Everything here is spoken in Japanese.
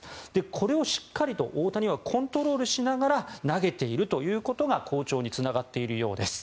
これをしっかりと大谷はコントロールしながら投げているということが好調につながっているようです。